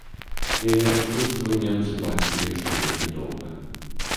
Яе наступствы немцы бачылі яшчэ вельмі доўга.